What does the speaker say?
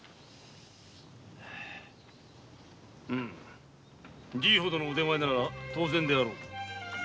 うんじぃほどの腕前なら当然であろう。